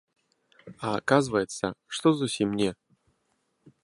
А аказваецца, што зусім не.